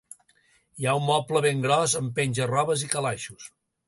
Hi ha un moble ben gros, amb penja-robes i calaixos.